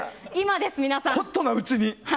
ホットなうちに。